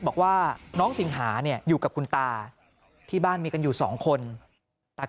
บอกว่าน้องสิงหาเนี่ยอยู่กับคุณตาที่บ้านมีกันอยู่สองคนแต่